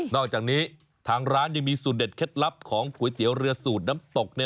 อกจากนี้ทางร้านยังมีสูตรเด็ดเคล็ดลับของก๋วยเตี๋ยวเรือสูตรน้ำตก